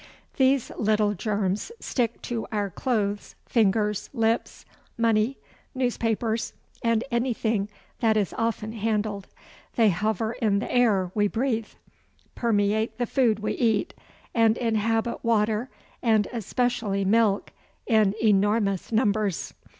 These little germs stick to our clothes, fingers, lips, money, newspapers, and anything that is often handled. They hover in the air we breathe, permeate the food we eat, and inhabit water, and especially milk, in enormous numbers.